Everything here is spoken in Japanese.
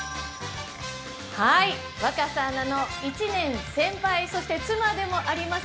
若狭アナの１年先輩、そして妻でもあります